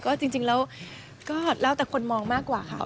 ก็จริงแล้วก็แล้วแต่คนมองมากกว่าค่ะ